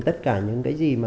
tất cả những cái gì mà